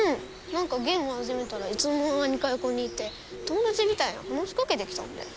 何かゲーム始めたらいつの間にか横にいて友達みたいに話し掛けてきたんだよ。